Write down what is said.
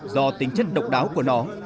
do tính chất độc đáo của nó